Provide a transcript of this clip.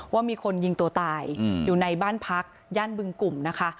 ว่ามีคนยิงตัวตายอยู่ในบ้านพักย่านบึงกลุ่มนะคะ